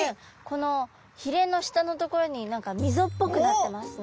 このひれの下の所に何か溝っぽくなってますね。